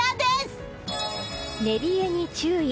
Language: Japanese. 寝冷えに注意。